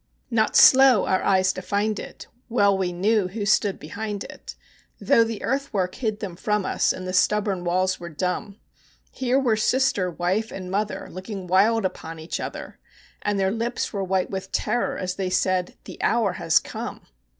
Not slow our eyes to find it; well we knew who stood behind it, Though the earthwork hid them from us, and the stubborn walls were dumb Here were sister, wife, and mother, looking wild upon each other, And their lips were white with terror as they said, THE HOUR HAS COME!